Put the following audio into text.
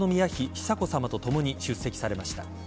久子さまとともに出席されました。